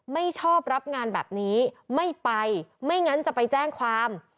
ไม่ชอบรับงานแบบนี้ไม่ไปไม่งั้นจะไปแจ้งความ